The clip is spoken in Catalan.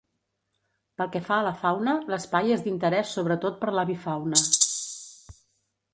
Pel que fa a la fauna, l'espai és d'interès sobretot per l'avifauna.